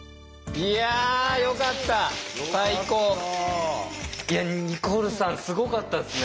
いやニコルさんすごかったですね。